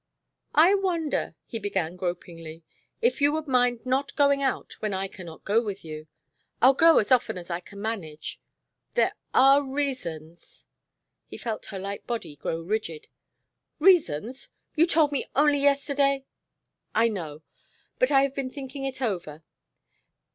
"I wonder," he began gropingly, "if you would mind not going out when I cannot go with you? I'll go as often as I can manage. There are reasons " He felt her light body grow rigid. "Reasons? You told me only yesterday " "I know. But I have been thinking it over.